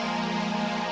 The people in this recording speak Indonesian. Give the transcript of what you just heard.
itu juga ya burung suwari